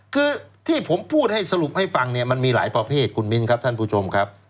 คือที่ผมพูดให้สรุปให้ฟังเนี่ยมันมีหลายประเภทคุณมิ้นครับท่านผู้ชมครับ